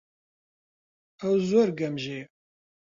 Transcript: ئەو زۆر گەمژەیە.